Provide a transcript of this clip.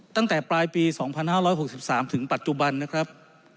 ตั้งแต่ปลายปี๒๕๖๓ถึงปัจจุบันนะครับ